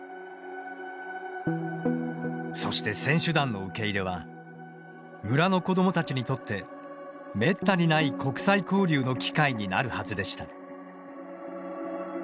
そして、選手団の受け入れは村の子どもたちにとってめったにない国際交流の機会になるはずでした。